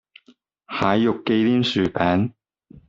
蟹肉忌廉薯餅